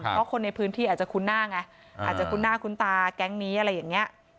เพราะคนในพื้นที่อาจจะคุ้นหน้าไงอาจจะคุ้นหน้าคุ้นตาแก๊งนี้อะไรอย่างนี้